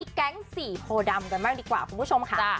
แก๊งสี่โพดำกันบ้างดีกว่าคุณผู้ชมค่ะ